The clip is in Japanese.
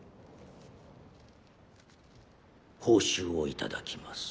報酬をいただきます